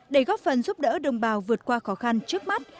để góp phần giúp đỡ đồng bào vượt qua khó khăn trước mắt